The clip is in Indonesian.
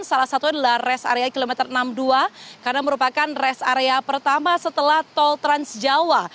salah satunya adalah rest area kilometer enam puluh dua karena merupakan rest area pertama setelah tol transjawa